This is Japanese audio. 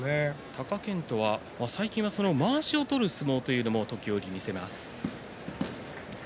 貴健斗はまわしを取る相撲も時折見せます。